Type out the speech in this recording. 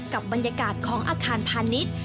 กับบรรยากาศของอาคารพาณิชย์